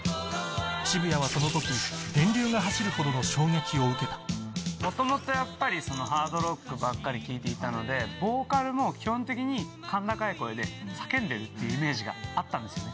渋谷はその時を受けた元々やっぱりハードロックばっかり聴いていたのでボーカルも基本的に甲高い声で叫んでるっていうイメージがあったんですよね。